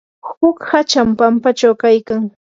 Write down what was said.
huk hacham pampachaw kaykan.